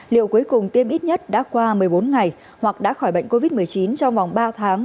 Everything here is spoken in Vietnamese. liệu cuối cùng tiêm ít nhất đã qua một mươi bốn ngày hoặc đã khỏi bệnh covid một mươi chín trong vòng ba tháng